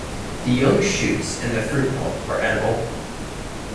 The young shoots and the fruit pulp are edible.